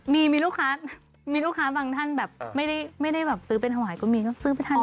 มีลูกค้าบางท่านแบบไม่ได้ซื้อเป็นหวายก็มีซื้อไปทานเอง